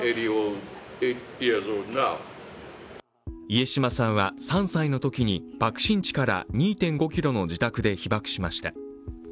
家島さんは３歳のときに爆心地から２．５ｋｍの自宅で被爆しました。